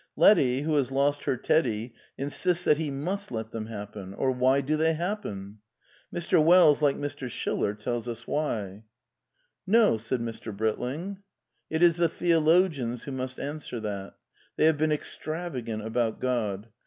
" Letty," who has lost her " Teddy,'' insists that he mvst let them happen. " Or why do they happen ?" Mr. Wells, like Mr. Schiller, tells us why. "'No/ said Mr. Britling; Mt is the theologians who must answer that They have been extravagant about God.